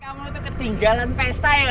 kamu tuh ketinggalan pesta ya